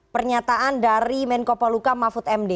pernyataan dari menko poluka mahfud md